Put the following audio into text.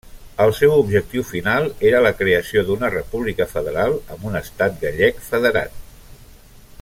El seu objectiu final era la creació d'una república federal amb un estat gallec federat.